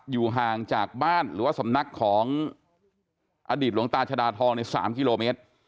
อยู่ห่างจากบ้านหรือว่าสำนักของอดีตหลวงตาชดาทองใน๓กิโลเมตร